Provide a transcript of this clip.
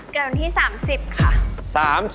เกิดวันที่๓๐ค่ะ